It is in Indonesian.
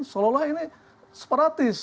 seolah olah ini separatis